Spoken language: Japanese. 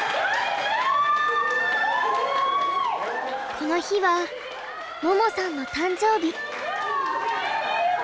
この日は桃さんの誕生日。